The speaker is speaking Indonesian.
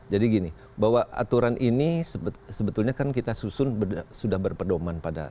jadi gini bahwa aturan ini sebetulnya kan kita susun sudah berpedoman pada